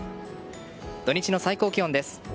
土日の最高気温です。